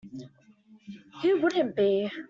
Who wouldn't be?